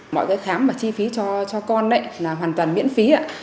mọi cái khám và chi phí cho con là hoàn toàn miễn phí